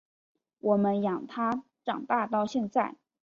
我们养他长大到现在